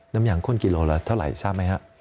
น้ำอย่างข้นกิโลละเท่าไหร่ทราบไหมฮะ